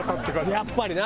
やっぱりな。